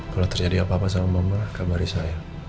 kalau terjadi apa apa sama mama kabari saya